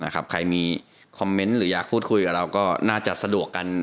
ใครมีคอมเมนต์หรืออยากพูดคุยกับเราก็น่าจะสะดวกกัน